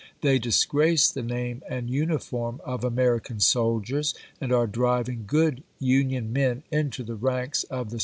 They disgrace the name and uniform of American soldiers and are driving good Union men into the ranks of the secession Chap.